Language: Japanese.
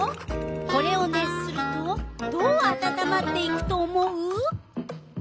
これを熱するとどうあたたまっていくと思う？